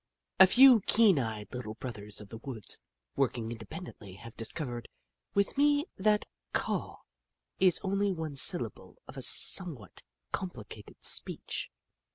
A few keen eyed Little Brothers of the Woods, working independently, have discov ered with me that caw is only one syllable of a somewhat complicated speech.